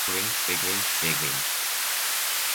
Wriggling Wriggling Wriggling.